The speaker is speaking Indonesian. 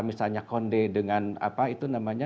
misalnya konde dengan